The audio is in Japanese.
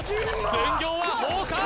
分業は崩壊！